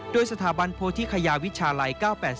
โดยสถาบันโพธิคยาวิชาลัย๙๘๔